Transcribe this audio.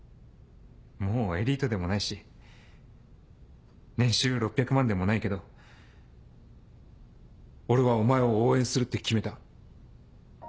もうエリートでもないし年収６００万でもないけど。俺はお前を応援するって決めた。